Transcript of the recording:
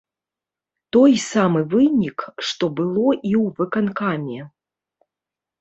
Той самы вынік, што было і ў выканкаме.